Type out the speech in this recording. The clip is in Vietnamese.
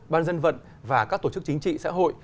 ban dân vận và các tổ chức chính trị xã hội